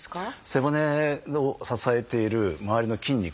背骨を支えている周りの筋肉。